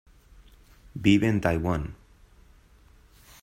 Vive en Taiwan.